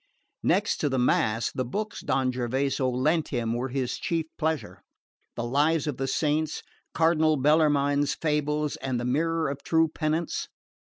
Next to the mass, the books Don Gervaso lent him were his chief pleasure: the Lives of the Saints, Cardinal Bellarmine's Fables and The Mirror of true Penitence.